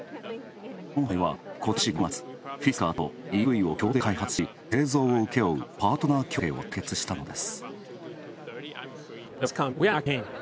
鴻海はことし５月、フィスカーとＥＶを共同で開発し製造を請け負うパートナー協定を締結したのです。